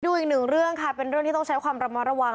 อีกหนึ่งเรื่องค่ะเป็นเรื่องที่ต้องใช้ความระมัดระวัง